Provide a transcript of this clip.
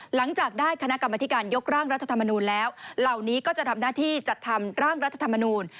หลังจากได้คณะกรรมธิการยกร่างรัฐธรรมนูลแล้วเหล่านี้ก็จะทำหน้าที่จัดทำร่างรัฐธรรมนูล